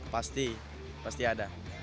pasti pasti ada